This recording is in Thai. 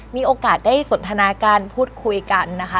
มีโอกาสได้สนทนาการพูดคุยกันนะคะ